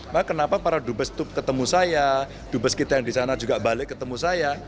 maka kenapa para dubes itu ketemu saya dubes kita yang di sana juga balik ketemu saya